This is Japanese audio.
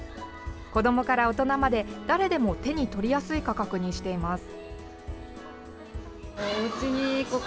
子どもから大人まで誰でも手に取りやすい価格にしています。